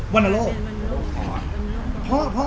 เป็นมะนุระ